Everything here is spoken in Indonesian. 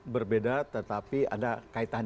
berbeda tetapi ada kaitannya